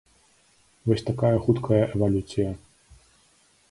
Вось такая хуткая эвалюцыя.